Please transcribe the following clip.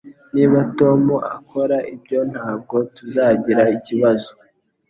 Niba Tom akora ibyo ntabwo tuzagira ikibazo